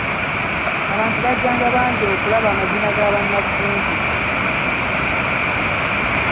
Abantu bajjanga bangi okulaba amazina ga bannaggunju.